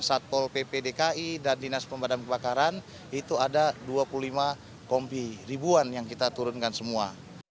satpol pp dki dan dinas pemadam kebakaran itu ada dua puluh lima kompi ribuan yang kita turunkan semua